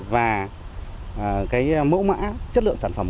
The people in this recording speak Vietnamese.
và cái mẫu mã chất lượng sản phẩm